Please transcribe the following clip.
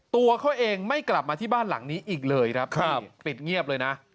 ตัวเขาเองไม่กลับมาที่บ้านหลังนี้อีกเลยครับนี่ปิดเงียบเลยนะ